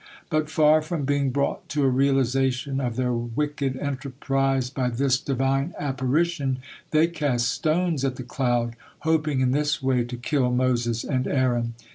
But far from being brought to a realization of their wicked enterprise by this Divine apparition, they cast stones at the cloud, hoping in this way to kill Moses and Aaron.